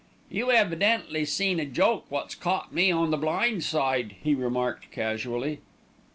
"You evidently seen a joke wot's caught me on the blind side," he remarked casually.